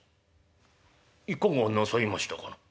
「いかがなさいましたか」。